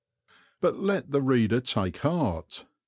But let the reader take heart.